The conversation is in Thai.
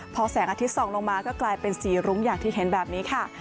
พอแสงอาทิตยส่องลงมาก็กลายเป็นสีรุ้งอย่างที่เห็นแบบนี้ค่ะ